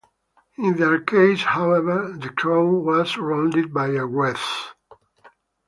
In their case, however, the crown was surrounded by a wreath.